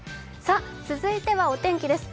続いてはお天気です。